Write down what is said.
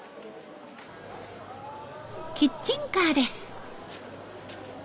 キッチンカーです。